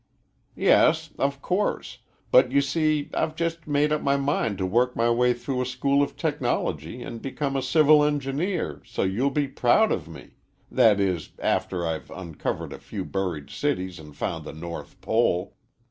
"Yes, of course, but you see I've just made up my mind to work my way through a school of technology and become a civil engineer, so you'll be proud of me that is, after I've uncovered a few buried cities and found the North Pole.